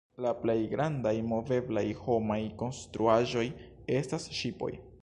La plej grandaj moveblaj homaj konstruaĵoj estas ŝipoj.